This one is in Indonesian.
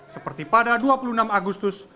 seperti pada dua puluh enam agustus